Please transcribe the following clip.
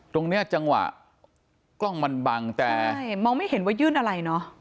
ตรงเนี้ยจังหวะกล้องมันบังแต่ใช่มองไม่เห็นว่ายื่นอะไรเนอะ